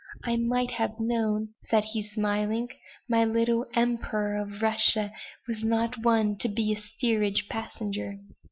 I might have known," said he, smiling, "my little Emperor of Russia was not one to be a steerage passenger."